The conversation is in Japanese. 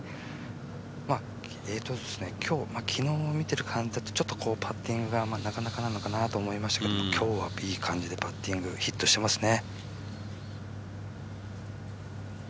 今日、昨日見てる感じだとパッティングがなかなかなのかなと思いましたけど、きょうはいい感じでパッティング、ヒットしていますね。